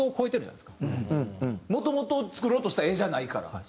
もともと作ろうとした画じゃないから。